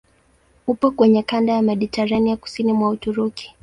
Upo kwenye kanda ya Mediteranea kusini mwa Uturuki.